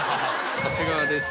長谷川です。